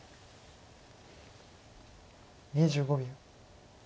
２５秒。